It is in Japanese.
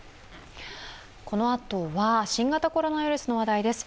このあとは新型コロナウイルスの話題です。